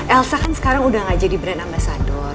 elsa kan sekarang udah gak jadi brand ambasador